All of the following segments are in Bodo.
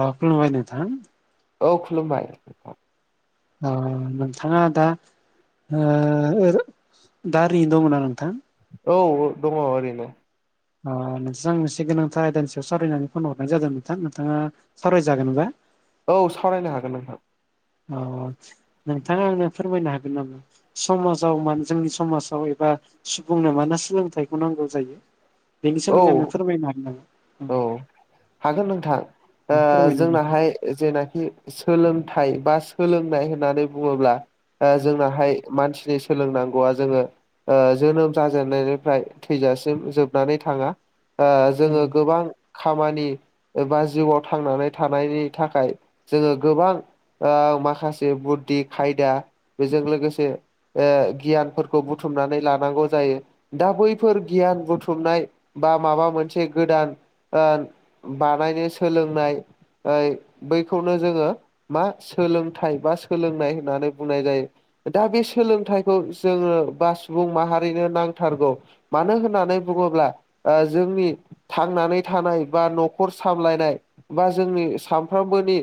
अ'खुलुमबाय नोंथां! औ खुलुमबाय! आ नोंथाङा दा ओ ओरैनो दंना नोंथां! औ ओ दङ ओरैनो! अ नोंजां मोनसे गोनांथार आयदानि सायाव सावरायनानै फन हरनाय जादों नोंथां नोंथाङा सावरायजागोनबा- औ सावरायनो हागोन नोंथां! औ औ नोंथाङा आंनो फोरमायनो हागोन नामा? समाजाव मानो जोंनि समाजाव एबा सुबुंनो मानो सोलोंथाइखौ नांगौ जायो! बेनि औ सोमोन्दनो फोरमायनो हागोन नामा? औ हागोन नोंथां दे ओ फोरमायलाय नोंथां जोंनाहाय- जेनाखि सोलोंथाइ बा सोलोंनाय होननानै बुङोब्ला- ओ जोंनाहाय मानसिनि सोलोंनांगौआ जोङो ओ जोनोम जाजेननायनिफ्राय थैजासिम जोबनानै थाङा ओ जोङो- ख खामानि एबा जिउआव थांनानै थानायनि थाखाय जोङो गोबां- औ माखासे बुद्धि खायदा बेजों लोगोसे- ओ गियानफोरखौ बुथुमनानै लानांगौ जायो! दा बैफोर गियान बुथुमनाय बा माबा मोनसे- गोदान ओ बानायनो सोलोंनाय ओइ बैखौनो जोङो- मा सोलोंथाइ बा सोलोंनाय होननानै बुंनाय जायो! दा बे सोलोंथाइखौ जोङो बा सुबुं माहारिनो नांथारगौ- मानो होननानै बुङोब्ला ओ जोंनि थांनानै थानाय बा न'खर सामलायनाय- बा जोंनि सानफ्रोमबोनि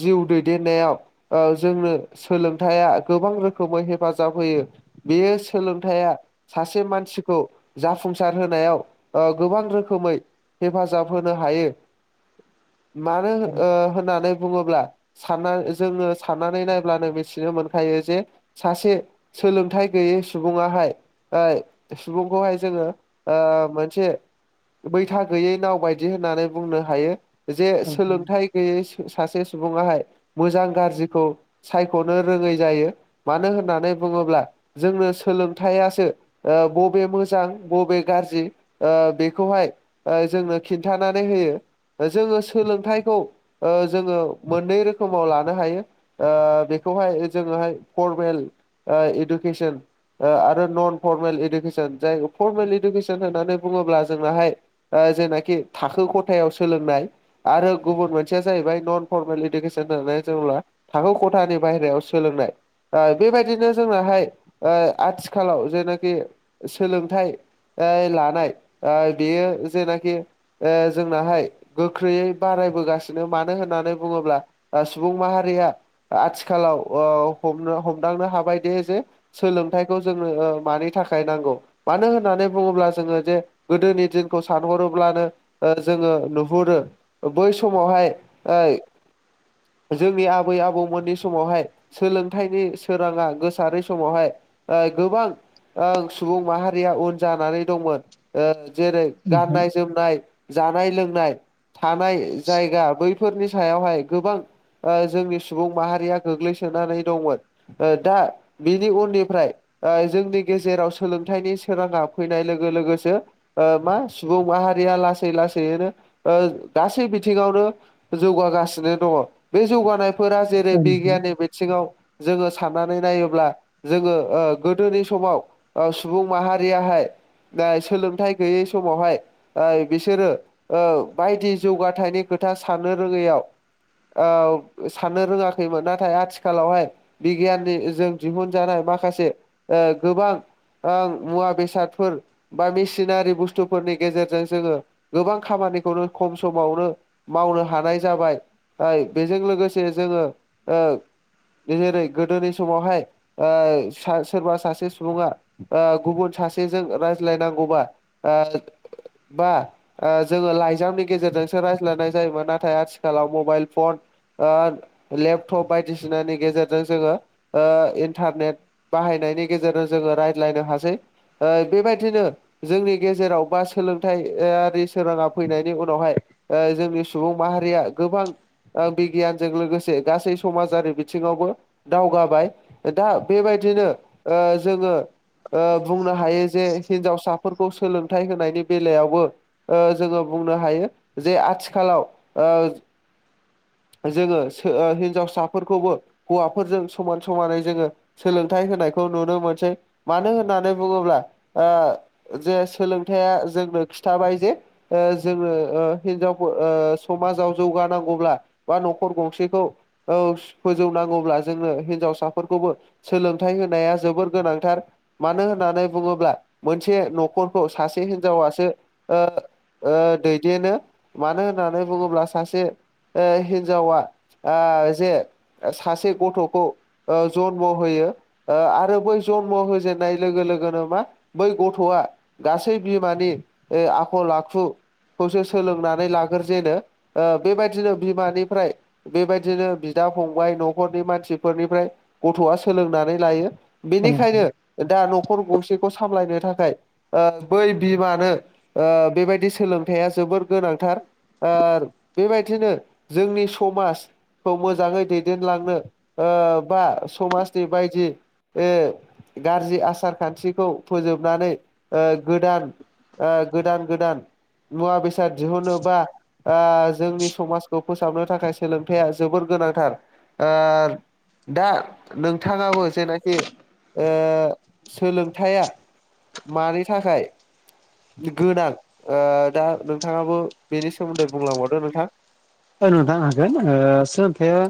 जिउ दैदेननायाव ओ जोंनो सोलोंथाइा गोबां रोखोमै हेफाजाब होयो! बेयो सोलोंथाया- सासे मानसिखौ जाफुंसार होनायाव ओ गोबां रोखोमै- हेफाजाब होनो हायो! मानो हो ओ होननानै- बुङोब्ला सानना जोङो साननानै नायब्लानो मिथिनो मोनखायो जे सासे- सोलोंथाय गैयै सुबुंङाहाय- ओ सुबुंखौहाय जोङो ओ मोनसे बैथा- गैयै नाव बायदि होननानै बुंनो हायो जे सोलोंथाय - गैयै सासे सुबुंआहाय मोजां गाज्रिखौ सायख'नो रोङै जायो! मानो होननानै बुङोब्ला जोंनो सोलोंथायासो ओ बबे मोजां बबे गाज्रि ओ बेखौहाय ओ जोंनो खिन्थानानै होयो ओ जोङो सोलोंथाइखौ ओ जोङो मोननै रोखोमाव लानो हायो। ओ बेखौहाय जोङोहाय फरमेल इडुकेसन आरो नन फरमेल इदुकेसन जाय फरमेल इडुकेसन होननानै बुङोब्ला जोंनाहाय ओ जेनाखि थाखो खथायाव सोलोंनाय आरो गुबुन मोनसेया जाहैबाय नन फरमेल इडुकेसन होननानै जेनब्ला थाखो खथानि बाहेरायाव सोलोंनाय ओ बेबायदिनो जोंनाहाय ओ आथिखालाव जेनाखि सोलोंथाइ ओ लानाय बेयो जेनाखि ओ जोंनाहाय गोख्रैयै बारायबोगासिनो मानो होननानै बुङोब्ला ओ सुबुं माहारिया आथिखालाव ओ हमनो हमदांनो हाबाय दे जे सोलोंथाइखौ जोंनो मानि थाखाय नांगौ मानो होननानै बुङोब्ला जोङो जे गोदोनि दि खौ सानहरोब्लानो ओ जोङो नुहुरो ओ बै समावहाय जोंनि आबै आबौमोननि समावहाय सोलोंथाइनि सोराङा गोसारै समावहाय ओ गोबां ओं सुबुं माहारिया उन जानानै दंमोन जेरै गाननाय जोमनाय जानाय लोंनाय थानाय जायगा बैफोरनि सायावहाय गोबां ओ जोंनि सुबुं माहारिया गोग्लैसोनानै दंमोन ओ दा बिनि उननिफ्राय ओ जोंनि गेजेराव सोलोंथाइनि सोराङा फैनाय लोगोसो ओ मा सुबुं माहारिया लासै लासैनो ओ गासै बिथिङावनो जौगागासिनो दङ बे जौगानायफोरा जेरै बिगियाननि बायदि सिङाव जोङो साननानै नायोब्ला जोङो ओ गोदोनि समाव ओ सुबुं माहारियाहाय ओ सोलोंथाइ गैयै समावहाय ओ बिसोरो ओ बायदि जौगाथायनि खोथा साननो रोङैयाव औ साननो रोङाखैमोन नाथाय आथिखालावहाय बिगियाननि जों दिहुनजानाय माखासे ओ गोबां आं मुवा बेसादफोर बा मेसिनारि बुस्थु बुस्थुफोरनि गेजेरजों जोङो गोबां खामानिखौनो खम समावनो मावनो हानाय जाबाय बेजों लोगोसे जोङो ओ जेरै गोदोनि समावहाय ओ सोरबा सासे सुबुङा ओ गुबुन सासेजों रायज्लायनांगौबा बा ओ ओ जोङो लाइजामनि गेजेरजोंसो रायज्लायनाय जायोमोन नाथाय आथिखालाव मबाइल फन ओ लेपटप बायदिसिनानि गेजेरजों जोङो ओ इन्टारनेट बाहायनायनि गेजेरजों जोङो रायज्लायनो हासै ओ बेबायदिनो जोंनि गेजेराव बा सोलोंथाइआरि सोराङा फैनायनि उनावहाय ओ जोंनि सुबुं माहारिया गोबां बिगियानजों लोगोसे गासै समाजारि बिथिङावबो दावगाबाय दा बेबायदिनो ओ जोङो ओ बुंनो हायो जे हिन्जावसाफोरखौ सोलोंथाइ होनायनि बेलायावबो ओ जोङो बुंनो हायो जे आथिखालाव ओ जोङो हिनजावसाफोरखौबो हौवाफोरजों समान समानै जोङो सोलोंथाइ होनायखौ नुनो मोनसै मानो होननानै बुङोब्ला जे सोलोंथाइा जोंनो खिन्थाबाय जे ओ जोङो हिनजाव समाजाव जौगानांगौब्ला बा न'खर गंसेखौ औ फोजौनांगौब्ला जोंनो हिनजावसाफोरखौबो सोलोंथाइ होनाया जोबोर गोनांथार मानो होननानै बुङोब्ला मोनसे न'खरखौ सासे हिनजावासो ओ ओ दैदेनो मानो होननानै बुङोब्ला सासे ओ हिन्जावा ओ जे सासे गथ'खौ ओ जन्म होयो ओ आरो बै जन्म होजेननाय लोगो लोगोनो मा बै गथ'आ गासै बिमानि ओ आखल आखु खौसो सोलोंनानै लाग्रजेनो ओ बेबायदिनो बिमानिफ्राय बेबायदिनो बिदा फंबाय न'खरनि मानसिफोरनिफ्राय गथ'आ सोलोंनानै लायो। बेनिखायनो दा न'खर गंसेखौ सामलायनो थाख खाय ओ बै बिमानो ओ बेबायदि सोलोंथाइया जोबोर गोनांथार। ओर बेबायदिनो जोंनि समाज खौ मोजाङै दैदेनलांनो ओ बा समाजनि बायदि ओ गारजि आसार खान्थिखौ फोजोब नानै ओ गोदान ओ गोदान गोदान मुवा बेसाद दिहुनोबा ओ जोंनि समाजखौ फोसाबनो थाखाय सोलोंथाइया जोबोर गोनांथार ओ दा नोंथाङाबो जेनाखि ओ सोलोंथाइया मानि थाखाय गोनां ओ दा नोंथाङाबो बेनि सोमोन्दै बुंलांबावदो नोंथां। फोर नोंथां हागोन ओ सोलोंथाइया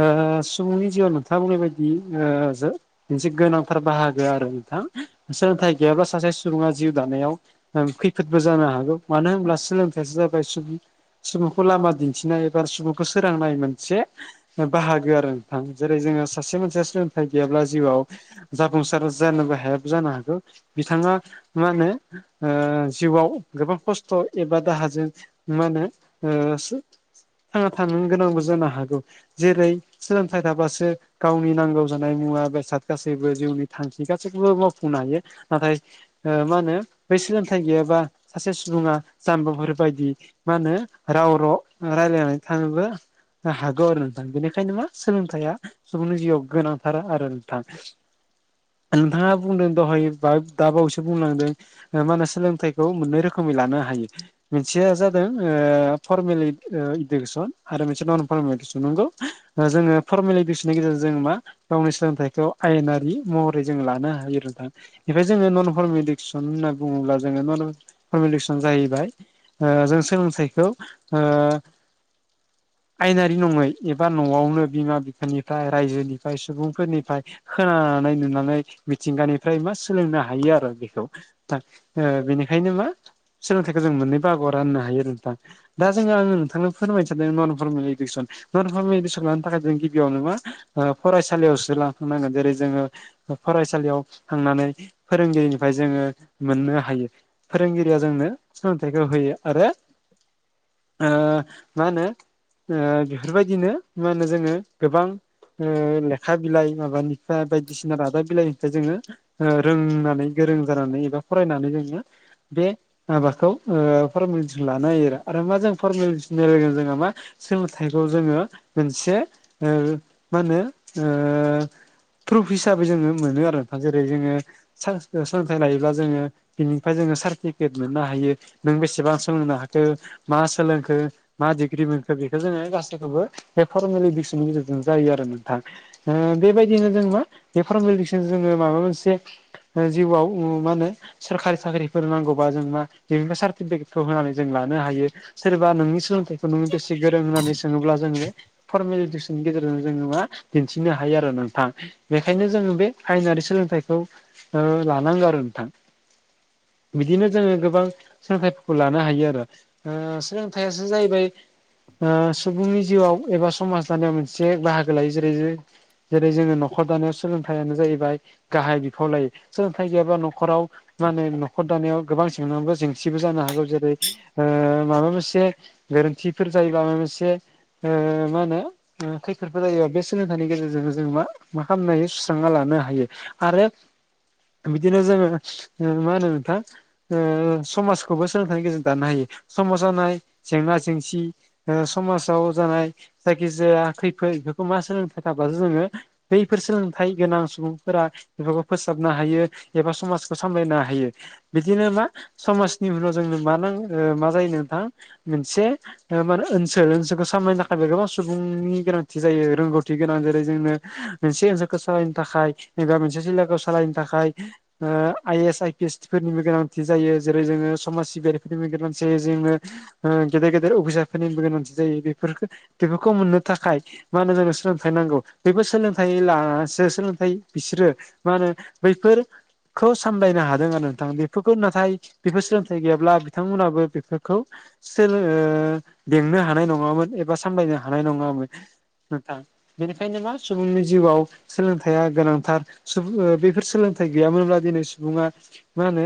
ओ सुबुंनि जिउआव नोंथाङा बुंनाय बायदि ओ जो मोनसे गोनांथार बाहागो आरो नोंथां सोलोंथाइ गैयाब्ला सासे सुबुङा जिउ दानायाव ओ खैफोदबो जानो हागौ मानो होनब्ला सोलोंथायासो जाबाय सुबुंनि सुबुंखौ लामा दिन्थिनाय एबा सुबुंखौ सोरांनाय मोनसे बाहागो आरो नोंथां जेरै जोङो सासे मानसिया सोलोंथाइ गैयाब्ला जिउआव जाफुंसार जानोबो हायाबो जानो हागौ बिथाङा मा होनो ओ जिउआव गोबां खस्थ' एबा दाहाजों मा होनो ओ सो थांना थानो गोनांबो जानो हागौ जेरै सोलोंथाइ थाबासो गावनि नांगौ जानाय मुवा बेसाद गासैबो जिउनि थांखि गासैखौबो मावफुंनो हायो नाथाय ओ मा होनो बै सोलोंथाइ गैयाबा सासे सुबुङा जाम्बाफोर बायदि मा होनो राव र' रायलायनानै थानोबो हागौ आरो नोंथां बेनिखायनो मा सोलोंथाइया सुबुंनि जिउआव गोनांथार आरो नोंथां। नोंथाङा बुंदों दहाय बा दा बावैसो बुंलांदों ओ मा होनो सोलोंथाइखौ मोननै रोखोमै लानो हायो मोनसेया जादों ओ फरमेलि ओ इडुकेसन आरो मोनसे नन फरमे इडुसन नंगौ जोङो फरमेल इडुकेसननि गेजेरजों मा गावनि सोलोंथाइखौ आयेनारि महरै जों लानो हायो [unintelligible] एफाय जोङो नन फरमे इडुखिसन होनना बुङोब्ला जोङो नन फरमे इडुखिसन जाहैबाय ओ जों सोलोंथाइखौ ओ आयेनारि नङै एबा न'आवनो बिमा बिफानिफ्राय रायजोनिफ्राय सुबुंफोरनिफ्राय खोनानानै नुनानै मिथिंगानिफ्राय मा सोलोंनो हायो आरो बेखौ। थां ओ बेनिखायनो मा सोलोंथाइखौ जों मोननै बाहागोआव राननो हायो आरो नोंथां दा जोङो आङो थांनो फोरमायनो सानदों non formal education non formal [unintelligible] लानो थाखाय जों गिबियावनो मा ओ फरायसालियावसो [unintelligible] जेरै जोङो ओ फरायसालियाव थांनानै फोरोंगिरिनिफ्राय जोङो मोननो हायो। फोरोंगिरिया जोंनो सोलोंथाइखौ होयो आरो ओ मा होनो ओ बिफोरबायदिनो मा होनो जोङो गोबां ओ लेखा बिलाइ माबानिफ्राय बायदिसिना रादाब बिलाइनिफ्राय जोङो ओ रोंनानै गोरों जानानै एबा फरायनानै जोङो बे माबाखौ ओ फरमेलिथि लानो हायो आरो आरो मा जों फरमेलि मिलायगोन जोङो मा सोलोंथाइखौ जोङो मोनसे ओ मा होनो ओ प्रुफ हिसाबै जोङो मोनो आरो ना जेरै जोङो सानस सोलोंथाइ लायोब्ला जोङो बिनिफ्राय जोङो सार्टिफिकेट मोननो हायो नों बेसेबां सोलोंनो हाखो मा सोलोंखो? मा डिग्रि मोनखो बेखौ जोङो गासैखौबो बे फरमेल इडुकेसननि गेजेरजों जायो आरो नोंथां। ओ बेबायदिनो जों मा बे फारमेल इडुकेसनजों जोङो माबा मोनसे जिउआव मा होनो सोररकारि साख्रिफोर नांगौबा जों मा बेबा सार्टिफिकेटखौ होनानै जों लानो हायो। सोरबा नोंनि सोलोंथाइखौ नोङो बेसे गोरों होननानै सोङोब्ला जोङो फरमेल इडुकेसननि गेजेरजों जोङो मा दिन्थिनो हायो आरो नोंथां। बेखायनो जोङो बे आयेनारि सोलोंथाइखौ ओ लानांगौ आरो नोंथां। बिदिनो जोङो गोबां सोलोंथाइफोरखौ लानो हायो आरो ओ सोलोंथाइसो जायो बै ओ सुबुंनि जिउआव एबा समाज दानायाव मोनसे बाहागो लायो जेरै जेरै जोङो न'खर दानायाव सोलोंथाइयानो जाहैबाय गाहाय बिफाव लायो सोलोंथाइ गैयाबा न'खराव मान होन नखर दानायाव गोबां जेंन जेंसिबो जानो हागौ जेरै ओ माबा मोनसे गोरोन्थिफोर जायोब्ला माबा मोनसे ओ मा होनो ओ खैफोदफोर जायोबा बे सोलोंथाइनि गेजेरजों जों मा मा खालामनो हायो सुस्रांना लानो हायो। आरो बिदिनो जोङो ओ मा होनो नोंथा ओ समाजखौबो सोलोंथाइनि गेजेरजों दानो हायो समाजानाय जेंना जेंसि ओ समाजाव जानाय जायखिजाया खैफोद बेखौ मा सोलोंथ थाबासो जोङो बैफोर सोलोंथाइ गोनां सुबुंफोरा बेफोरखौ फोसाबनो हायो एबा समाजखौ सामलायनो हायो। बिदिनो मा समाजनि उनाव जोंनो मा नां मा जायो नोंथां मोनसे ओ मा होनो ओनसोल ओनसोलखौ सामलायनो थाखायबो गोबां सुबुंनि गोनांथि जायो रोंगौथि गोनां जेरै जोंनो मोनसे ओनसोलखौ सालायनो थाखाय एबा मोनसे जिल्लाखौ सालायनो थाखाय ओ I S I P S फोरनिबो गोनांथि जायो जेरै जोङो समाज सिबियारिफोरनिबो गोनांथि जायो जोङो ओ गेदेर गेदेर अपिसाबफोरनिबो गोनांथि जायो बेफोरखौ बेफोरखौ मोननो थाखाय मा होनो जोंनो सोलोंथाइ नांगौ बेबो सोलोंथाइ लासो सोलोंथाइ बिसोरो मा होनो बैफोरखौ सामलायनो हादों आरो नोंथां बेफोरखौ नाथाय बेफोर सोलोंथाइ गैयाब्ला बिथांमोनाबो बेफोरखौ सोलो बेंनो हानाय नङामोन एबा सामलायनो हानाय नङामोन नोंथां। बेनिखायनो मा सुबुंनि जिउआव सोलोंथाइया गोनांथार सुबुं ओ बेफोर सोलोंथाइ गैयामोनब्ला दिनै सुबुङा मा होनो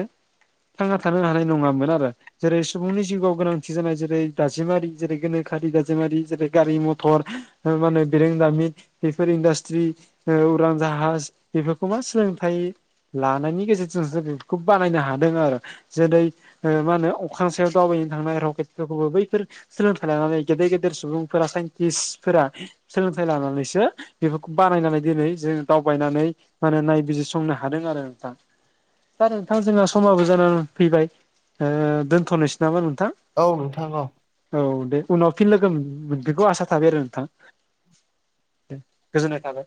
थांना थानो हानाय नङामोन आरो जेरै सुबुंनि जिउआव गोनां आ जानाय जेरै दाजेमारि जेरै गोनोखि दाजेमारि जेरै गारि मथर मा होनो बेरेंदामि बेफोर इन्डासट्रि ओ उरां जाहाज बेफोरखौ मा सोलोंथाइ लानायनि गेजेरजोंसो बेफोरखौ बानायनो हादों आरो जेरै ओ मा होनो अख्रां सायाव दावबायनो थांनाय आरोव बे फोरखौबो बैफोर सोलोंथाइ लानानै गेदेर गेदेर सुबुंफोरा साइन्टिस्फोरा सोलोंथाइ लानानैसो बेफोरखौ बानायनानै दिनै जों दावबायनानै माने नायबिजिरसंनो हादों आरो नोंथां दा नोंथां जोंहा समाबो जानानै फैबाय दोनथ'नोसै नामा नोंथां? औ नोंथां औ औ दे उनाव फिन लोगो बेखौ आसा थाबाय आरो नोंथां। गोजोननाय थाबाय